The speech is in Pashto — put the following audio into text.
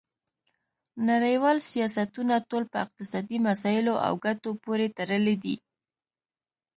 نړیوال سیاستونه ټول په اقتصادي مسایلو او ګټو پورې تړلي دي